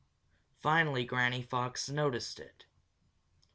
Finally Granny Fox noticed it.